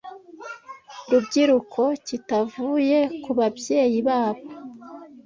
rubyiruko kitavuye ku babyeyi babo.